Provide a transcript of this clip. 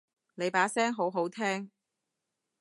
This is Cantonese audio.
你把聲好好聽